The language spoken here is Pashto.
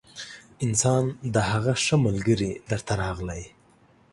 انسان د هغه ښه ملګري در ته راغلی